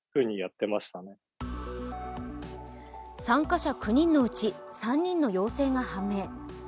参加者９人のうち３人の陽性が判明。